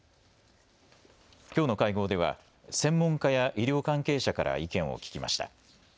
きょうの会合では専門家や医療関係者から意見を聴きました。